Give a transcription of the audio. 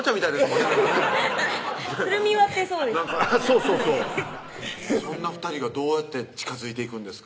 そうそうそんな２人がどうやって近づいていくんですか？